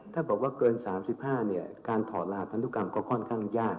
ถ้าบอกว่าเกิน๓๕การถอดลาพันธุกรรมก็ค่อนข้างยาก